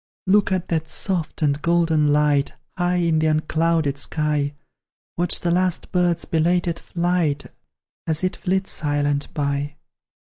Look at that soft and golden light, High in the unclouded sky; Watch the last bird's belated flight, As it flits silent by.